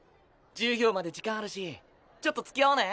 授業まで時間あるしちょっとつきあわね？